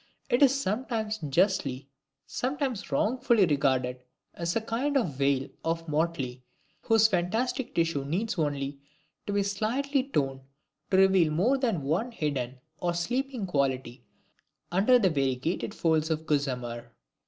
It is sometimes justly, sometimes wrongfully regarded as a kind of veil of motley, whose fantastic tissue needs only to be slightly torn to reveal more than one hidden or sleeping quality under the variegated folds of gossamer.